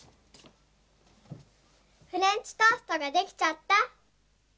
フレンチトーストができちゃった。